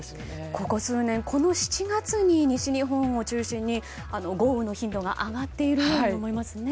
ここ数年この７月に西日本を中心に豪雨の頻度が上がっていると思います。